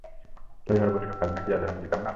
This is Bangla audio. হরিহর বলিল, খাজনা কি আর আমি দিতাম না?